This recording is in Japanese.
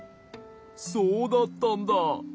そうだったんだ。